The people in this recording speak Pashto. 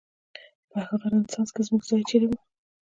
په هغه رنسانس کې زموږ ځای چېرې و؟